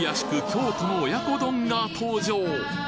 京都の親子丼が登場